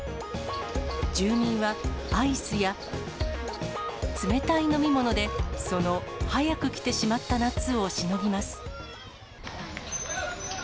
住民はアイスや、冷たい飲み物でその早く来てしまった夏をしのぎます。